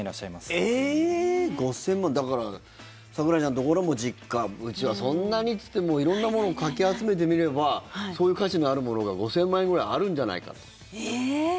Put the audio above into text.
だから咲楽ちゃんのところも実家うちはそんなにっていっても色んなものをかき集めてみればそういう価値のあるものが５０００万円ぐらいあるんじゃないかと。